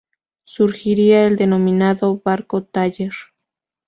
Surgirá el denominado barco-taller.